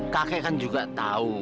kakek kan juga tahu